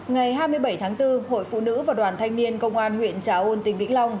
ngày hai mươi bảy tháng bốn hội phụ nữ và đoàn thanh niên công an huyện trà ôn tỉnh vĩnh long